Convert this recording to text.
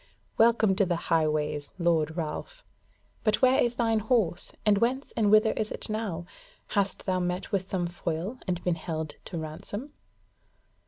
Welcome to the Highways, Lord Ralph! But where is thine horse? and whence and whither is it now? Hast thou met with some foil and been held to ransom?"